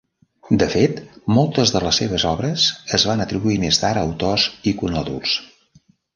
De fet, moltes de les seves obres es van atribuir més tard a autors iconòduls.